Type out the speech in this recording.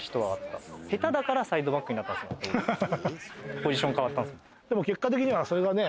ポジション変わったんすもん。